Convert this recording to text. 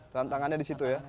tantangannya di situ ya